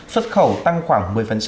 xuất khẩu tăng khoảng một mươi